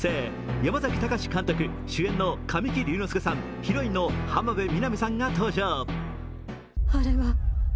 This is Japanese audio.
山崎貴監督、主演の神木隆之介さんヒロインの浜辺美波さんが登場。